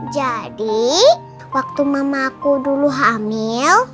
jadi waktu mama aku dulu hamil